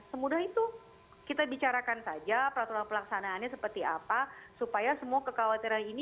semudah itu kita bicarakan saja peraturan pelaksanaannya seperti apa supaya semua kekhawatiran ini